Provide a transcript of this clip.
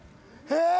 えっ？